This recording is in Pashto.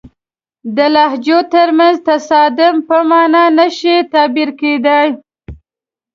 د لهجو ترمنځ تصادم په معنا نه شي تعبیر کېدای.